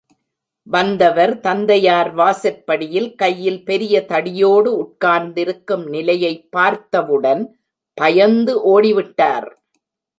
வந்தவர் தந்தையார் வாசற்படியில் கையில் பெரிய தடியோடு உட்கார்ந்திருக்கும் நிலையைப் பார்த்தவுடன் பயந்து ஓடிவிட்டார்.